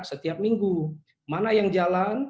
setiap minggu mana yang jalan